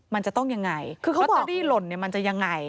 มันจะต้องอย่างไรลอตเตอรี่หล่นมันจะอย่างไร